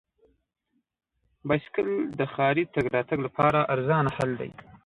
بایسکل د ښاري تګ راتګ لپاره ارزانه حل دی.